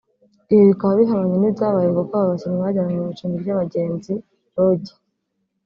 Ibi bikaba bihabanye n’ibyabaye kuko aba bakinnyi bajyanywe mu icumbi ry'abagenzi (Lodge)